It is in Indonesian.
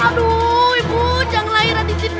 aduh ibu jangan melahirkan di sini dulu bu